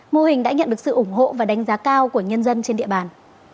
mô hình đã nhận được sự ủng hộ và đánh giá cao của nhân dân trên địa bàn